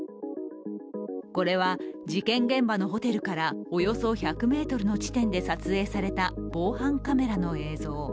これは事件現場のホテルからおよそ１００ｍの地点で撮影された防犯カメラの映像。